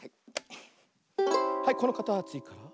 はいこのかたちから。